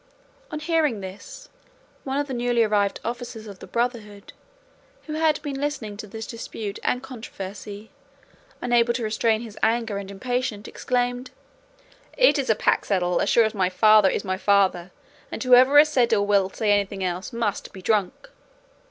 On hearing this one of the newly arrived officers of the Brotherhood, who had been listening to the dispute and controversy, unable to restrain his anger and impatience, exclaimed, "It is a pack saddle as sure as my father is my father, and whoever has said or will say anything else must be drunk."